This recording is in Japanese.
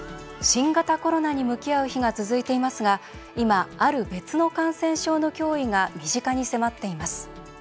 新型コロナに向き合う日が続いていますが今、ある別の感染症の脅威が身近に迫っています。